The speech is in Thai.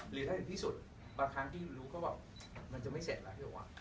หรือถ้าถึงที่สุดบางครั้งที่รู้ก็แบบมันจะไม่เสร็จแล้วพี่วะ